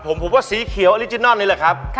ผมว่าสีเขียวอริจินอลนี้ล่ะครับ